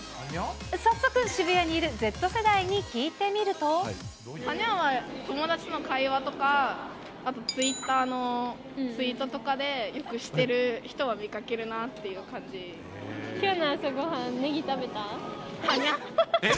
早速渋谷にいるＺ世代に聞いてみると。はにゃ？は友達の会話とか、あとツイッターのツイートとかでよくしてる人を見かけるなぁっていう感じ。はにゃ？